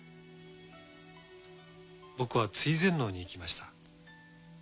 僕は追善能に行きました。